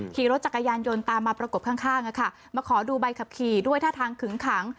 ขี่รถจักรยานยนต์ตามมาประกบข้างมาขอดูใบขับขี่ด้วยท่าทางขึงขัง